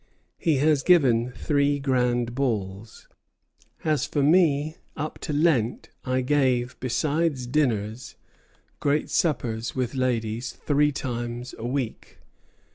He has given three grand balls. As for me, up to Lent I gave, besides dinners, great suppers, with ladies, three times a week.